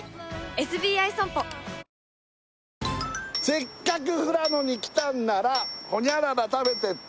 「せっかく富良野に来たんなら○○食べてって！」